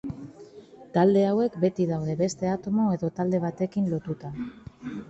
Talde hauek beti daude beste atomo edo talde batekin lotuta.